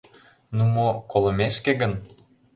— Ну мо «колымешке гын»!